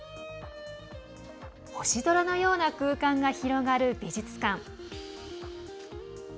星空のような空間が広がる美術館。